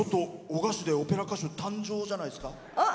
男鹿市でオペラ歌手、誕生じゃないですか。